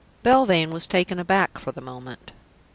Belvane was taken aback for the moment.